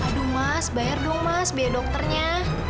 aduh mas bayar dong mas biaya dokternya